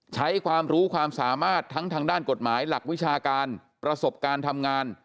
ใช้ความรู้ความสามารถทั้งทางด้านกฎหมายหลักวิชาการประสบการณ์ทำงาน